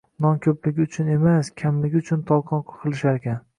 Non ko‘pligi uchun emas, kamligi uchun tolqon qilisharkan.